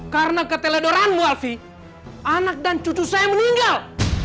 karena keteledoraanmu alfi anak dan cucu saya meninggal